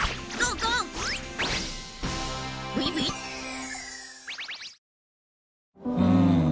うん。